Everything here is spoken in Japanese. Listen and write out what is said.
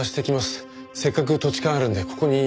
せっかく土地勘あるんでここにいるよりは。